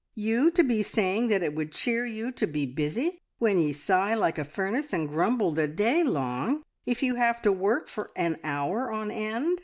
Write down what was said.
You, to be saying that it would cheer you to be busy, when ye sigh like a furnace and grumble the day long if you have to work for an hour on end!